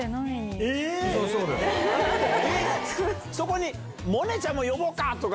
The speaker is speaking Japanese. そこに。